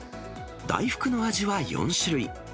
大福の味は４種類。